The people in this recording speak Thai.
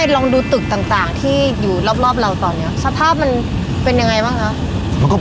ลองดูตึกต่างที่อยู่รอบเราตอนนี้สภาพมันเป็นยังไงบ้างคะ